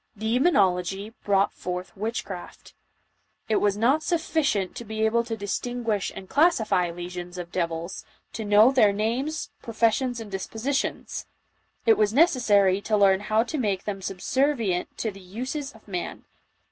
Demonology brought forth witchcraft. It was not sufficient to be able to distin guish and classify legions of devils, to know their names, professions and dispositions ; it was necessary to learn how to make them subservient to the uses of man.